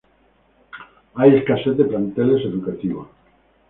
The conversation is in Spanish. Hay escasez de planteles educativos.